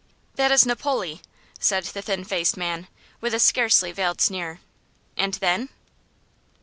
"That is Napoli," said the thin faced man, with a scarcely veiled sneer. "And then?"